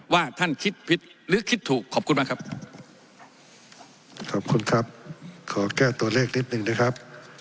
ว่าท่านคิดผิดหรือคิดถูกขอบคุณมากครับ